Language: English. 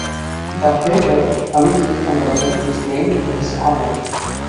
The crater Amici on the Moon is named in his honour.